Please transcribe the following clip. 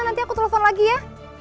nanti aku telepon lagi ya